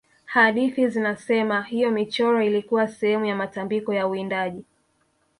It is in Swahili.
hadithi zinasema hiyo michoro ilikuwa sehemu ya matambiko ya uwindaji